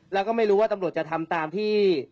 แล้วก็ไม่รู้ว่าตำรวจจะทำตามที่